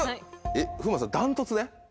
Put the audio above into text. えっ風磨さん断トツで？